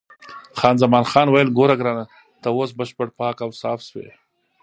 خان زمان وویل: ګوره ګرانه، ته اوس بشپړ پاک او صاف شوې.